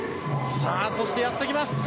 そして、やってきます